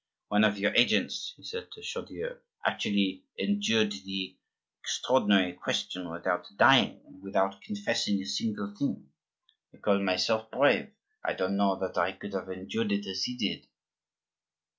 One of your agents," he said to Chaudieu, "actually endured the extraordinary question without dying and without confessing a single thing. I call myself brave; but I don't know that I could have endured it as he did."